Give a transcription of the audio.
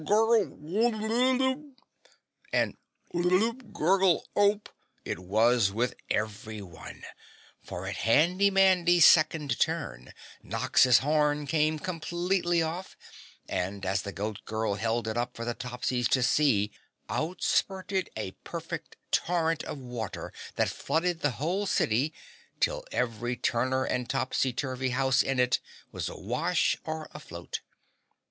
Gurgle Ooooop!" And "Oooop gurgle ULP!" it was with everyone, for at Handy Mandy's second turn, Nox's horn came completely off and as the goat girl held it up for the Topsies to see, out spurted a perfect torrent of water that flooded the whole city till every Turner and Topsy turvy house in it was awash or afloat.